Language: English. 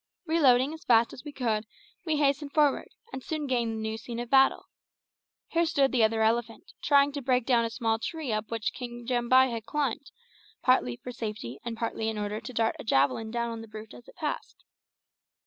Reloading as fast as we could, we hastened forward, and soon gained the new scene of battle. Here stood the other elephant, trying to break down a small tree up which King Jambai had climbed, partly for safety and partly in order to dart a javelin down on the brute as it passed.